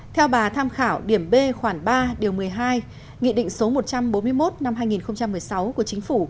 theo bà tham khảo điểm b khoảng ba điều một mươi hai nghị định số một trăm bốn mươi một năm hai nghìn một mươi sáu của chính phủ